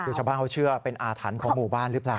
คือชาวบ้านเขาเชื่อเป็นอาถรรพ์ของหมู่บ้านหรือเปล่า